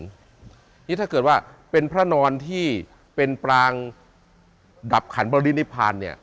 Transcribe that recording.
นี่ถ้าเกิดว่าเป็นพระนอนที่เป็นปรางดับขันบรินิพานเนี่ย